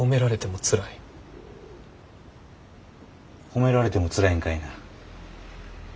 褒められてもつらいんかいな。